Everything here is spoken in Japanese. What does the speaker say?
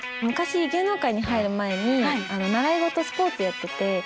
昔芸能界に入る前に習い事スポーツやってて。